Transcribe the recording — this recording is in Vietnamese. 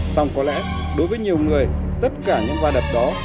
xong có lẽ đối với nhiều người tất cả những va đập đó